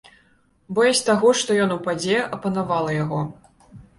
Боязь таго, што ён упадзе, апанавала яго.